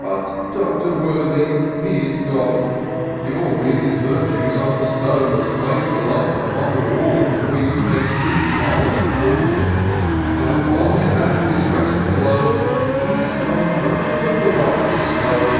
But Doctor Worthy, he is gone ; You'll read his virtues on the stone. That's plac'd aloft upon the wall. Where you may see the ivy crawl : Oh ! while his ashes rest below. He's gone where all the righteous go.